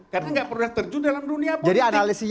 karena tidak perlu terjun dalam dunia politik